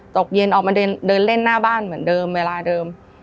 ตกเย็นออกมาเดินเล่นหน้าบ้านเหมือนเดิมเวลาเดิม